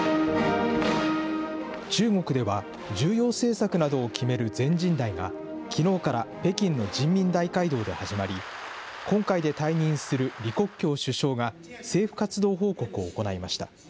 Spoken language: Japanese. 中国では重要政策などを決める全人代が、きのうから北京の人民大会堂で始まり、今回で退任する李克強首相が政府活動報告を行いました。